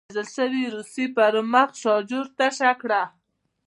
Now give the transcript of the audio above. هغه د وژل شوي روسي په مخ شاجور تشه کړه